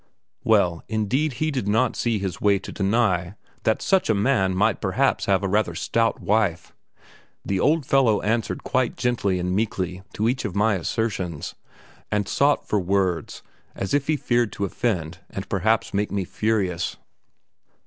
Well, indeed he did not see his way to deny that such a man might perhaps have a rather stout wife. The old fellow answered quite gently and meekly to each of my assertions, and sought for words as if he feared to offend and perhaps make me furious.